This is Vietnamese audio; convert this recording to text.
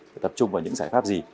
phải tập trung vào những giải pháp gì